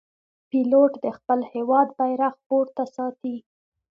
پیلوټ د خپل هېواد بیرغ پورته ساتي.